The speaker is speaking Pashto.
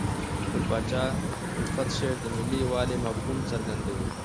ګل پاچا الفت شعر د ملي یووالي مفهوم څرګندوي.